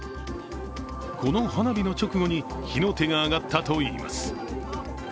この花火の直後に、火の手が上がったといいます。